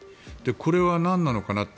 これはなんなのかな？と。